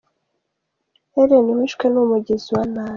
Ellen wishwe ni umugizi wa nabi.